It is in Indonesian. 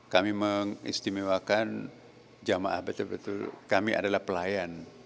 kami mengistimewakan jamaah betul betul kami adalah pelayan